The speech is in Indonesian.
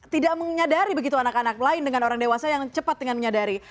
tidak menyadari begitu anak anak lain dengan orang dewasa yang cepat dengan menyadari